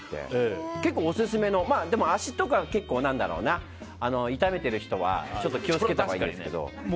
結構オススメですが、足とかを痛めている人は気を付けたほうがいいですけど。